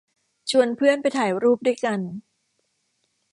ชวนเพื่อนไปถ่ายรูปด้วยกัน